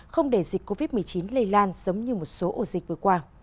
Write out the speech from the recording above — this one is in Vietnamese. không để dịch covid một mươi chín lây lan giống như một số ổ dịch vừa qua